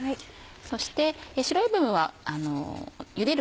そして白い部分はゆでる